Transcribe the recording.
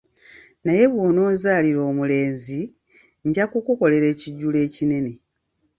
Naye bw'ononzalira omulenzi, nnja kukukolera ekijjulo ekinene.